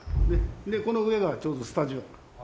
でこの上がちょうどスタジオ。